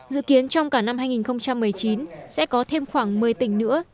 dự kiến trong cả năm hai nghìn một mươi chín sẽ có thêm khoảng một mươi tỉnh nữa